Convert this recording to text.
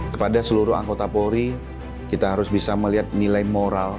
kepada seluruh anggota polri kita harus bisa melihat nilai moral